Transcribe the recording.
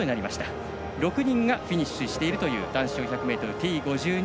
６人がフィニッシュしているという男子４００ｍのＴ５２